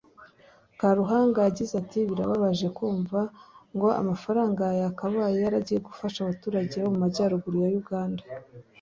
Karuhanga yagize ati “Birababaje kumva ngo amafaranga yakabaye yaragiye gufasha abaturage bo mu majyaruguru ya Uganda